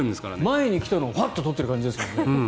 前に来たのをハッ！と取ってる感じですからね。